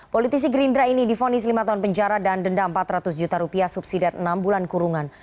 politisi gerindra ini difonis lima tahun penjara dan denda empat ratus juta rupiah subsidiat enam bulan kurungan